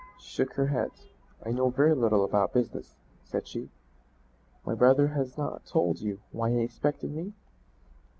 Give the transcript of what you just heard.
She shook her head. "I know very little about business," said she. "My brother has not told you why he expected me?"